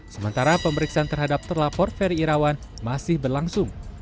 sementara pemeriksaan terhadap terlapor ferry irawan masih berlangsung